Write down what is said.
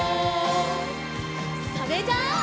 それじゃあ。